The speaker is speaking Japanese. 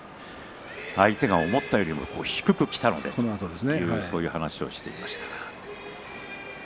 相手が思ったより低くきたのでという話をしていました。